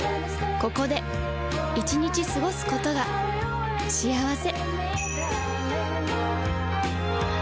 ここで１日過ごすことが幸せ